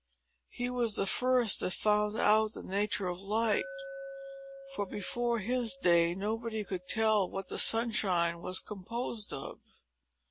He was the first that found out the nature of Light; for, before his day, nobody could tell what the sunshine was composed of.